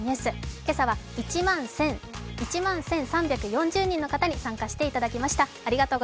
今朝は１万１３４０人の方に参加していただきました。